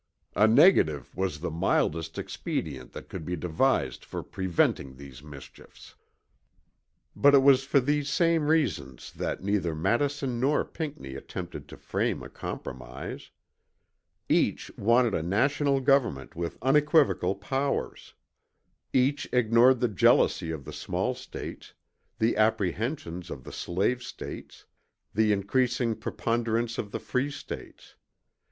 A negative was the mildest expedient that could be devised for preventing these mischiefs." But it was for these same reasons that neither Madison nor Pinckney attempted to frame a compromise. Each wanted a national government with unequivocal powers. Each ignored the jealousy of the small States, the apprehensions of the slave States, the increasing preponderence of the free States.